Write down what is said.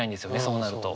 そうなると。